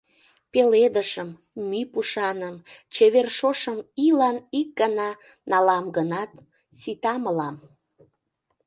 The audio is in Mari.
Пеледышым, мӱй пушаным, Чевер шошым Ийлан ик гана Налам гынат, сита мылам.